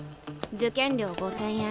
受験料５，０００円。